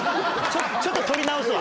ちょっと撮り直すわ。